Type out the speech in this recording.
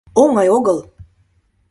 Оҥай огыл...»